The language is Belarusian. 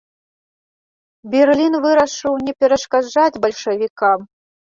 Берлін вырашыў не перашкаджаць бальшавікам.